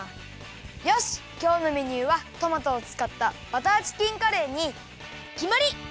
よしきょうのメニューはトマトをつかったバターチキンカレーにきまり！